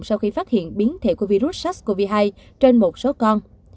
sau khi phát hiện biến thể của virus sars cov hai trên một số con